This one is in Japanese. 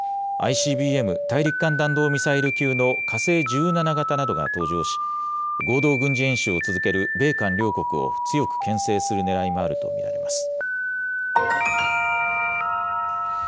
ＩＣＢＭ・大陸間弾道ミサイル級の火星１７型などが登場し、合同軍事演習を続ける米韓両国を強くけん制するねらいもあると見られます。